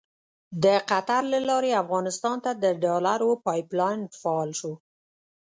د قطر له لارې افغانستان ته د ډالرو پایپ لاین فعال شو.